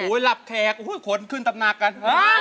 โอ๊ยหลับแขกโอ๊ยขนขึ้นตำนักกัน